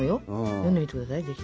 読んでみてくださいぜひ。